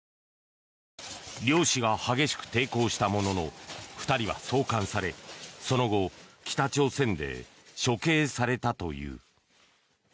漁師が激しく抵抗したものの２人は送還されその後、北朝鮮で処刑されたという。